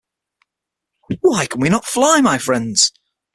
Why can we not fly, my friends?